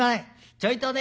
ちょいとね